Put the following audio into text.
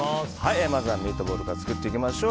まずはミートボールから作っていきましょう。